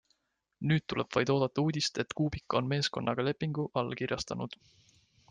Nüüd tuleb vaid oodata uudist, et Kubica on meeskonnaga lepingu allkirjastanud.